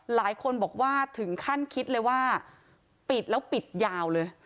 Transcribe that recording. หลายคนบอกว่าถึงขั้นคิดเลยว่าปิดแล้วปิดยาวเลย